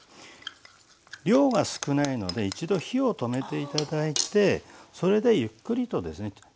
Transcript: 量が少ないので一度火を止めて頂いてそれでゆっくりとですね